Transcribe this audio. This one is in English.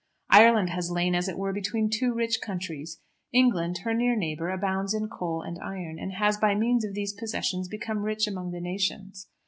Ireland has lain as it were between two rich countries. England, her near neighbour, abounds in coal and iron, and has by means of these possessions become rich among the nations.